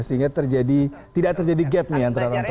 sehingga tidak terjadi gap nih antara orang tua